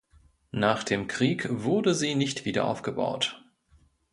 Nach dem Krieg wurde sie nicht wiederaufgebaut.